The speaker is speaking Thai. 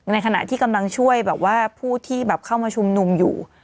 ในขณะที่กำลังช่วยแบบว่าผู้ที่แบบเข้ามาชุมนุมอยู่